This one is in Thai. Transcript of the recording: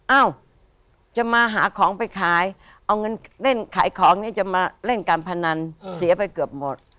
เอ้าจะมาหาของไปขายเอาเงินเล่นขายของเนี่ยจะมาเล่นการพนันเสียไปเกือบหมด